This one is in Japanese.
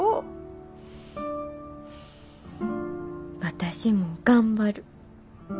私も頑張る。